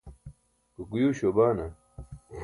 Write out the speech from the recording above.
gokguyuu śuwa baana